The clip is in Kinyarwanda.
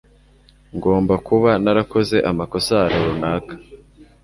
Ngomba kuba narakoze amakosa ahantu runaka.